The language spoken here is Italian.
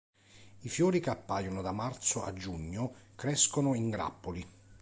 I fiori, che appaiono da marzo a giugno, crescono in grappoli.